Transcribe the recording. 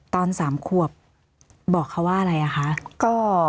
ตอนสามควบบอกเขาว่าอะไรอะคะก็